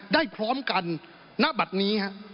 พร้อมกันณบัตรนี้